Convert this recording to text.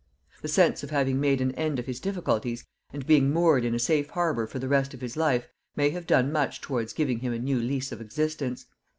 The sense of having made an end of his difficulties, and being moored in a safe harbour for the rest of his life, may have done much towards giving him a new lease of existence.